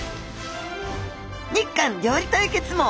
日韓料理対決も！